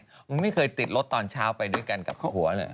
มึงไม่เคยติดรถตอนเช้าไปด้วยกันกับหัวเลย